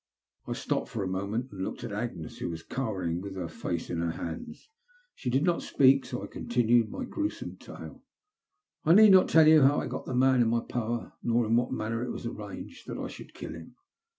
I stopped for a moment and looked at Agnes, who was cowering with her face in her hands. She did not speak, so I continued my gruesome tale. ^'I need not tell you how I got the man in my power, nor in what manner it was arranged that I should kill him.